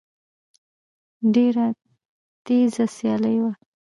ډېره تېزه سيلۍ وه